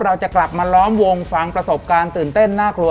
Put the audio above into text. เราจะกลับมาล้อมวงฟังประสบการณ์ตื่นเต้นน่ากลัว